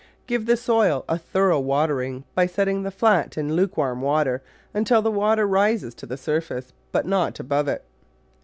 Give the soil a thorough watering by setting the flat in lukewarm water until the water rises to the surface, but not above it.